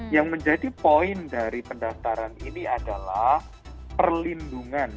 yang menjadi poin dari pendaftaran ini adalah perlindungan